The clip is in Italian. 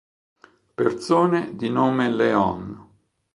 Persone di nome Leon